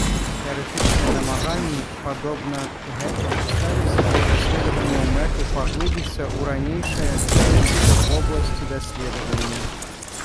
Тэарэтычныя намаганні, падобна гэтым, ставяць для даследаванняў мэту паглыбіцца ў ранейшае жыццё вобласці даследавання.